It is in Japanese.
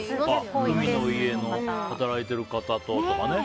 海の家の働いてる方ととかね。